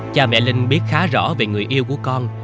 cha mẹ linh biết khá rõ về người yêu của con